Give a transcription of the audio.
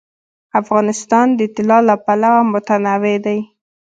افغانستان د طلا له پلوه متنوع دی.